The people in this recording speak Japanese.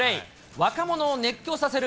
若者を熱狂させる